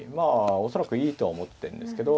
恐らくいいとは思ってんですけど。